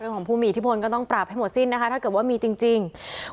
ของผู้มีอิทธิพลก็ต้องปรับให้หมดสิ้นนะคะถ้าเกิดว่ามีจริง